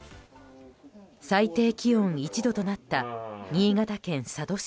最低気温１度となった新潟県佐渡市。